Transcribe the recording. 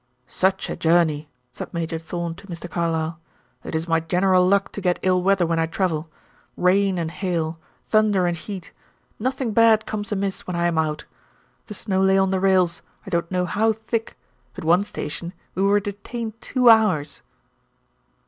"Such a journey!" said Major Thorn to Mr. Carlyle. "It is my general luck to get ill weather when I travel. Rain and hail, thunder and heat; nothing bad comes amiss when I am out. The snow lay on the rails, I don't know how thick; at one station we were detained two hours."